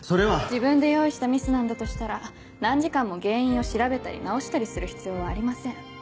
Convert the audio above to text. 自分で用意したミスなんだとしたら何時間も原因を調べたり直したりする必要はありません。